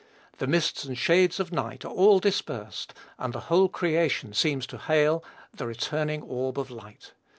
The mists and shades of night are all dispersed, and the whole creation seems to hail the returning orb of light.